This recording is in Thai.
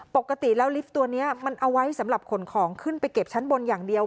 ปกติแล้วลิฟต์ตัวนี้มันเอาไว้สำหรับขนของขึ้นไปเก็บชั้นบนอย่างเดียว